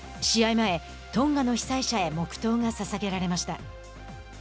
試合前トンガの被災者へ黙とうがささげられました。